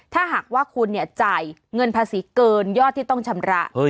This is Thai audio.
ถ้าหากว่าคุณจ่ายเงินภาษีเกินยอดที่ต้องชำระ